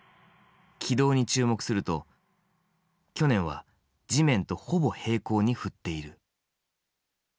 軌道に注目すると去年は地面とほぼ平行に振っている。